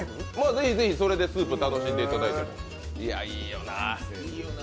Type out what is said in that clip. ぜひぜひそれでスープを楽しんでいただいて。